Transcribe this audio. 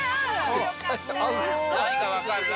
何か分かるら？